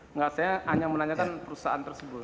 enggak saya hanya menanyakan perusahaan tersebut